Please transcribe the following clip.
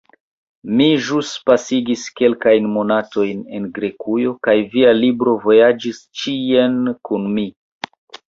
Mi ĵus pasigis kelkajn monatojn en Grekujo, kaj via libro vojaĝis ĉien kun mi.